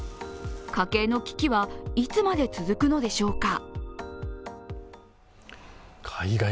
家計の危機はいつまで続くのでしょうか？